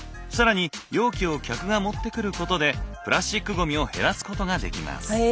更に容器を客が持ってくることでプラスチックゴミを減らすことができます。